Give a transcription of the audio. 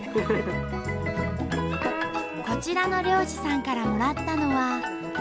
こちらの漁師さんからもらったのは。